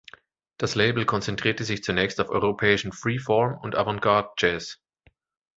Das Label konzentrierte sich zunächst auf europäischen Free Form und Avantgarde Jazz.